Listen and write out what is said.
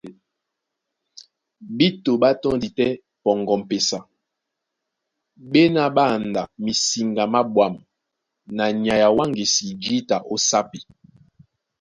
Bíto ɓá tɔ́ndi tɛ́ pɔŋgɔ m̀pesa, ɓá ená ɓá andá misiŋga má ɓwǎm̀ na nyay a wáŋgisi jǐta ó sápi.